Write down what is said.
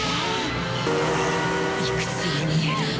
いくつに見える？